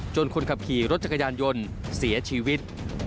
คนขับขี่รถจักรยานยนต์เสียชีวิต